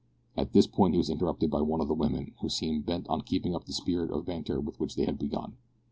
At this point he was interrupted by one of the women, who seemed bent on keeping up the spirit of banter with which they had begun.